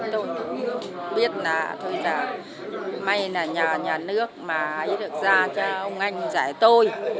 tôi biết là thôi là may là nhà nước mà ấy được ra cho ông anh giải tôi